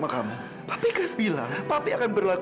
kamila harus lihat kak pak